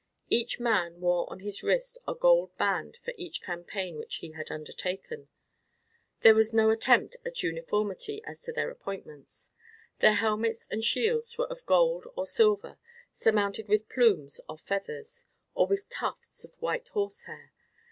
Each man wore on his wrist a gold band for each campaign which he had undertaken. There was no attempt at uniformity as to their appointments. Their helmets and shields were of gold or silver, surmounted with plumes or feathers, or with tufts of white horsehair.